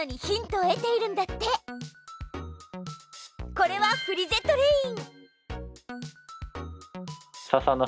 これはフリゼトレイン。